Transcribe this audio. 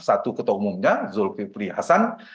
satu ketua umumnya zulfi prihasan